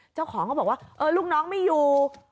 เจ้าของเขาบอกว่าลูกน้องไม่อยู่